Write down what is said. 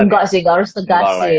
enggak sih enggak harus tegas sih